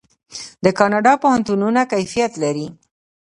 د کاناډا پوهنتونونه کیفیت لري.